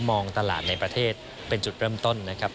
มองตลาดในประเทศเป็นจุดเริ่มต้นนะครับ